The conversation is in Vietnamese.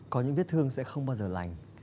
có những viết thương sẽ không bao giờ lành